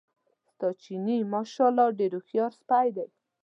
ستا چیني ماشاءالله ډېر هوښیار سپی دی.